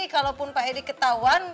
kalaupun pak edi ketauan